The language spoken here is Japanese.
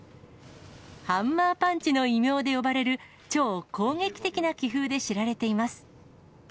ハンマーパンチの異名で呼ばれる、超攻撃的な棋風で知られています。